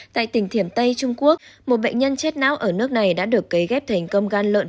tại tỉnh thiểm tây trung quốc một bệnh nhân chết não ở nước này đã được cấy ghép thành công gan lợn